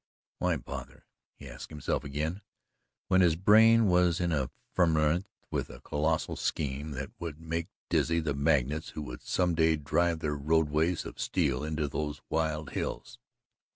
But why bother, he asked himself again, when his brain was in a ferment with a colossal scheme that would make dizzy the magnates who would some day drive their roadways of steel into those wild hills.